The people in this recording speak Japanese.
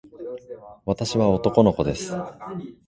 私は男の子です。